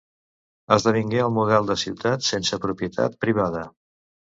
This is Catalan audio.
Esdevingué el model de ciutat sense propietat privada.